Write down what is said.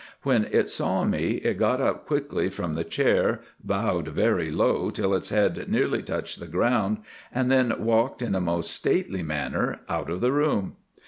When it saw me it got up quickly from the chair, bowed very low till its head nearly touched the ground, and then walked in a most stately manner out of the room.